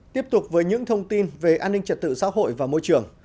tiếp tục với những thông tin về an ninh trật tự xã hội và môi trường